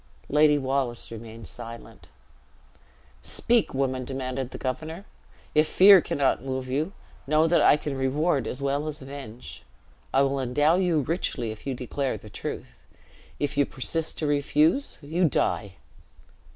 Lady Wallace remained silent. "Speak, woman," demanded the governor. "If fear cannot move you, know that I can reward as well as avenge. I will endow you richly, if you declare the truth. If you persist to refuse, you die."